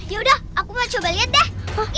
ya udah aku mau coba liat deh